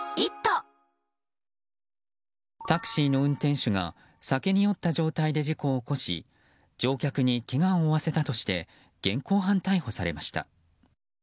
タクシーの運転手が酒に酔った状態で事故を起こし乗客にけがを負わせたとして現行犯逮捕されました。